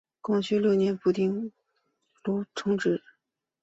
光绪六年调补打箭炉厅同知。